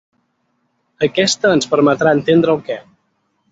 Aquesta ens permetrà entendre el que.